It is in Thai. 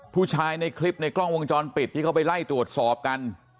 ในคลิปในกล้องวงจรปิดที่เขาไปไล่ตรวจสอบกัน